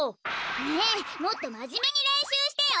ねえもっとまじめにれんしゅうしてよ！